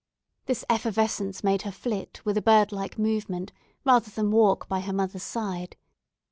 This effervescence made her flit with a bird like movement, rather than walk by her mother's side.